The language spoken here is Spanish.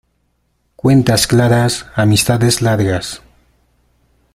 Cuentas claras, amistades largas.